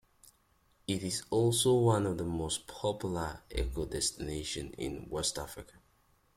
It is also one of the most popular eco-destinations in West Africa.